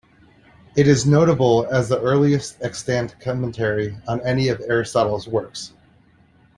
It is notable as the earliest extant commentary on any of Aristotle's works.